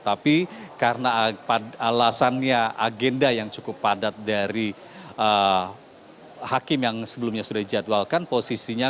tapi karena alasannya agenda yang cukup padat dari hakim yang sebelumnya sudah dijadwalkan posisinya